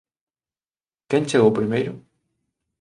Quen chegou primeiro?